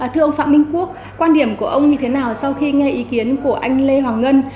thưa ông phạm minh quốc quan điểm của ông như thế nào sau khi nghe ý kiến của anh lê hoàng ngân